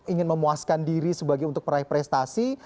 ingin memuaskan diri sebagai untuk peraih prestasi